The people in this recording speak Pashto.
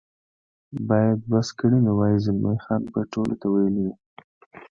باید بس کړي مې وای، زلمی خان به ټولو ته ویلي وي.